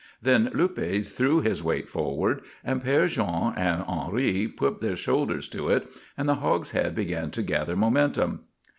Then Luppe threw his weight forward, and Père Jean and Henri put their shoulders to it, and the hogshead began to gather momentum.